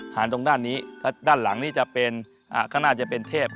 หาลตรงด้านนี้ด้านหลังนี่ก็น่าจะเป็นเทพ